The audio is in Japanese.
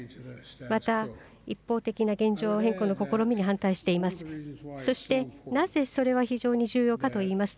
また一方的な現状変更の試みに反対しています。